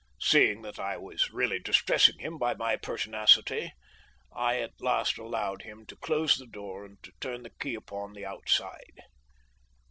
Seeing that I was really distressing him by my pertinacity, I at last allowed him to close the door and to turn the key upon the outside.